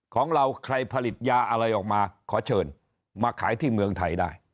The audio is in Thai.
ของเราใครผลิตยาอะไรออกมาขอเชิญมาขายที่เมืองไทยได้